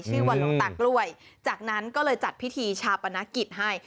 ชื่อวันหลวงตากล้วยจากนั้นก็เลยจัดพิธีชาปนกิจให้